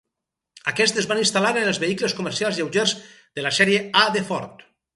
Aquests es van instal·lar en els vehicles comercials lleugers de la sèrie A de Ford.